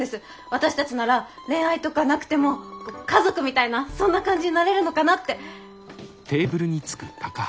私たちなら恋愛とかなくても家族みたいなそんな感じになれるのかなって。